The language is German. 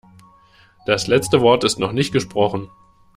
Das letzte Wort ist noch nicht gesprochen.